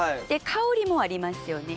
香りもありますよね。